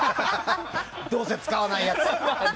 どうせ使わないやつ。